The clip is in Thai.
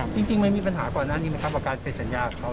จริงไม่มีปัญหาก่อนหน้านี้ไหมครับการเสร็จสัญญาของเขา